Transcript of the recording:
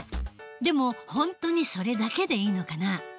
でも本当にそれだけでいいのかな？